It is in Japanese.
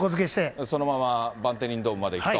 そのままバンテリンドームまで行くと。